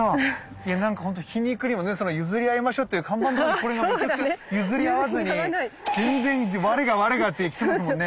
いやなんかほんと皮肉にもねその「ゆずりあいましょう」っていう看板のとこにこれがめちゃくちゃ譲り合わずに全然我が我がっていってますもんね。